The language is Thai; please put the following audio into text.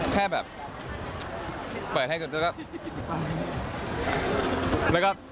แค่แบบเปิดให้กันแล้วก็